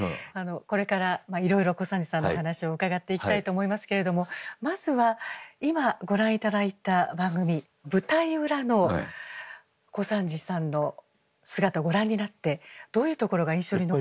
これからいろいろ小三治さんのお話を伺っていきたいと思いますけれどもまずは今ご覧頂いた番組舞台裏の小三治さんの姿ご覧になってどういうところが印象に残りましたか？